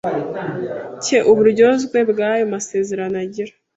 cye uburyozwe bw ayo masezerano agira